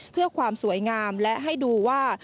เพื่อความสวยงามและให้ดูว่า